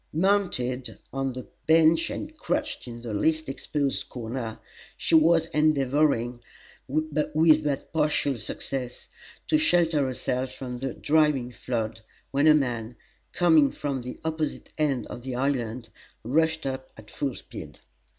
Mounted on the bench and crouched in the least exposed corner, she was endeavoring, with but partial success, to shelter herself from the driving flood, when a man, coming from the opposite end of the island, rushed up at full speed.